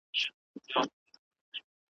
لا به څو زلمۍ کومه عزراییله بوډۍ ورځي `